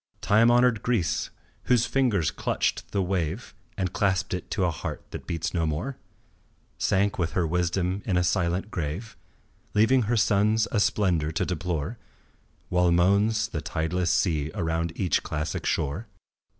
Time honoured Greece, whose fingers clutched the wave And clasped it to a heart that beats no more, Sank with her wisdom in a silent grave, Leaving her sons a splendour to deplore While moans the tideless sea around each classic shore.